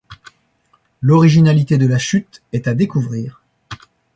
L'originalité de la chute est à découvrir.